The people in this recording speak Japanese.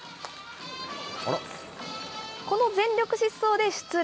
この全力疾走で出塁。